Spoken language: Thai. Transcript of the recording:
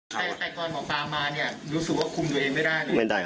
แต่ก่อนหมอปลามาเนี่ยรู้สึกว่าคุมตัวเองไม่ได้เลย